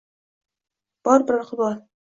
bor bir iqbol